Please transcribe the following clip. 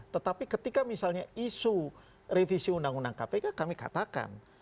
tetapi ketika misalnya isu revisi undang undang kpk kami katakan